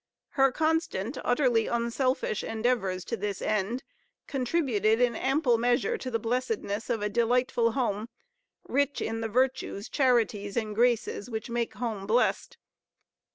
Her constant, utterly unselfish endeavors to this end contributed in ample measure to the blessedness of a delightful home, rich in the virtues, charities and graces which make home blessed.